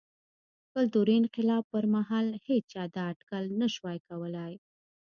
کلتوري انقلاب پر مهال هېچا دا اټکل نه شوای کولای.